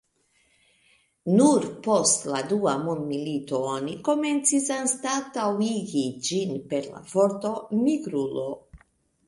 Nur post la dua mondmilito oni komencis anstataŭigi ĝin per la vorto "nigrulo".